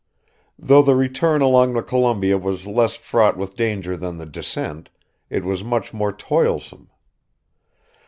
Though the return along the Columbia was less fraught with danger than the descent, it was much more toilsome.